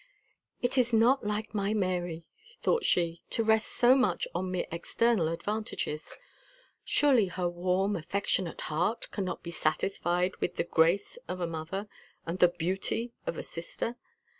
"It is not like my Mary," thought she, "to rest so much on mere external advantages; surely her warm affectionate heart cannot be satisfied with the grace of a mother and the beauty of a sister.